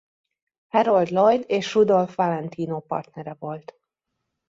Harold Lloyd és Rudolph Valentino partnere volt.